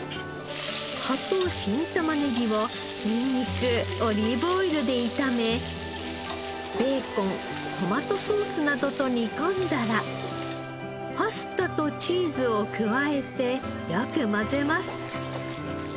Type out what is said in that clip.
葉と新玉ねぎをニンニクオリーブオイルで炒めベーコントマトソースなどと煮込んだらパスタとチーズを加えてよく混ぜます。